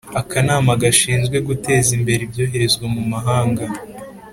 Akanama gashinzwe Guteza Imbere Ibyoherezwa mu Mahanga